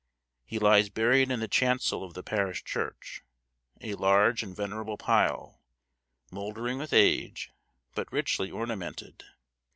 He lies buried in the chancel of the parish church, a large and venerable pile, mouldering with age, but richly ornamented.